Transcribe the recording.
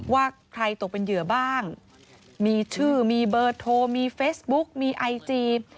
ว่าใครตกเป็นเหยื่อบ้างมีชื่อมีเบอร์โทรมีเฟซบุ๊กมีไอจี